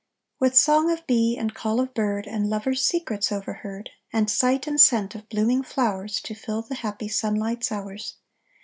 With song of bee and call of bird And lover's secrets overheard, And sight and scent of blooming flowers, To fill the happy sunlight's hours.